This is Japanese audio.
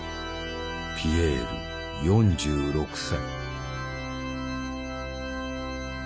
ピエール４６歳。